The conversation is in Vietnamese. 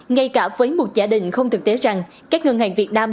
ngay cả với một giả định không thực tế rằng các ngân hàng việt nam